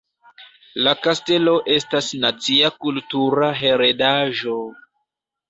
La kastelo estas nacia kultura heredaĵo.